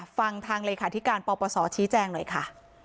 ฟังทางเลขาธิการปปศชี้แจงหน่อยค่ะ